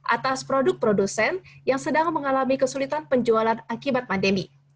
atas produk produsen yang sedang mengalami kesulitan penjualan akibat pandemi